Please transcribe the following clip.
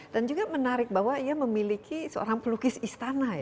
dan juga menarik bahwa ia memiliki seorang pelukis istana ya